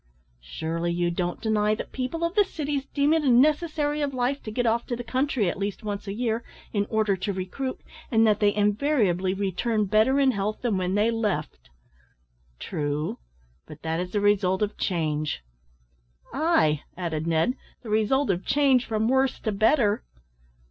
"Surely you don't deny that people of the cities deem it a necessary of life to get off to the country at least once a year, in order to recruit, and that they invariably return better in health than when they left?" "True; but that is the result of change." "Ay," added Ned, "the result of change from worse to better."